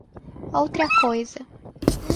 Outra coisa.